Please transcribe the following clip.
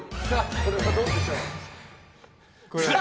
これはどうでしょう。